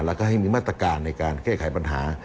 แล้วก็ให้มีมาตรการในการแก้ไขปัญหา